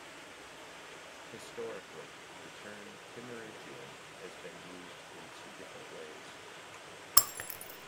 Historically, the term Kimmeridgian has been used in two different ways.